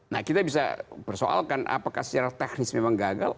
nah kita bisa persoalkan apakah secara teknis memang gagal